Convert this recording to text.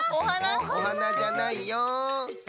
お花じゃないよ。